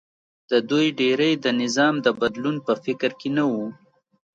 د دوی ډېری د نظام د بدلون په فکر کې نه و